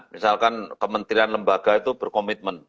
misalkan kementerian lembaga itu berkomitmen